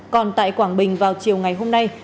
còn tại quảng bình vào chiều ngày hôm nay